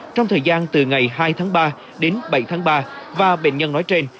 trong thời gian từ ngày hai tháng ba đến bảy tháng ba và bệnh nhân nói trên